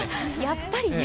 やっぱりね。